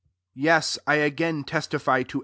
3 Yea, t again testify to every